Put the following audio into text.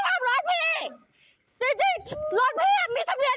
รวมขึ้นรวมขึ้นรวมขึ้น